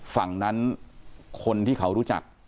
ฝั่งนั้นคนที่เขารู้จัก